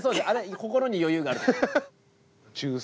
あれ心に余裕がある時。